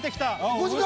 ５時間！